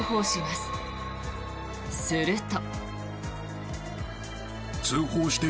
すると。